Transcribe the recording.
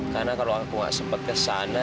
karena kalau aku gak sempet kesana